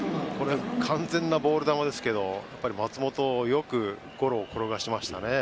完全なボール球ですけど松本、よくゴロを転がしましたね。